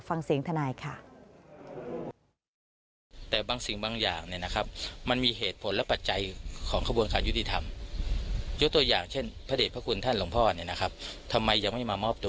ฟังเสียงทนายค่ะ